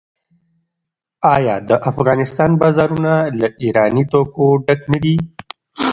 آیا د افغانستان بازارونه له ایراني توکو ډک نه دي؟